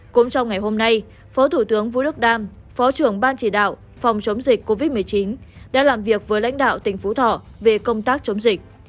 cũng trong ngày hôm nay phó thủ tướng vũ đức đam phó trưởng ban chỉ đạo phòng chống dịch covid một mươi chín đã làm việc với lãnh đạo tỉnh phú thọ về công tác chống dịch